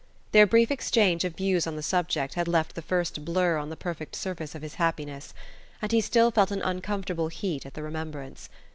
Their brief exchange of views on the subject had left the first blur on the perfect surface of his happiness, and he still felt an uncomfortable heat at the remembrance.